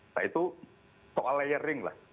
nah itu soal layering lah